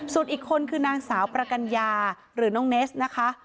ส่วนอีกคนคือนางสาวประกัญญาหรือน้องเนสนะคะ